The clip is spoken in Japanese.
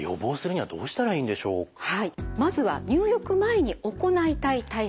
はいまずは入浴前に行いたい対策